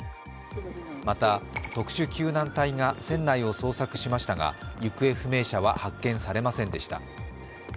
また特殊救難隊が船内を捜索しましたが行方不明者は発見されませんでした。